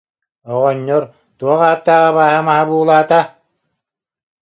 Оҕонньор: «Туох ааттаах абааһы маһа буулаата